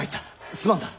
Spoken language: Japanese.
すまんな。